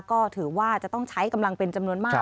ก็ถือว่าจะต้องใช้กำลังเป็นจำนวนมาก